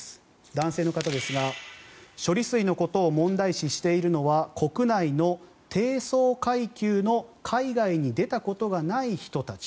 男性の方ですが処理水のことを問題視しているのは国内の低層階級の海外に出たことがない人たち。